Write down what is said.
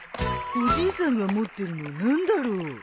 おじいさんが持ってるの何だろう。